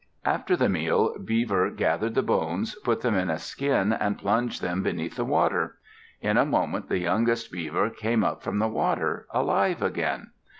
After the meal, Beaver gathered the bones, put them in a skin, and plunged them beneath the water. In a moment the youngest Beaver came up from the water, alive again.